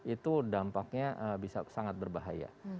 itu dampaknya bisa sangat berbahaya